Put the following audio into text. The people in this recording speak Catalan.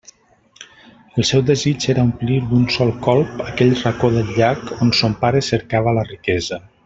El seu desig era omplir d'un sol colp aquell racó del llac on son pare cercava la riquesa.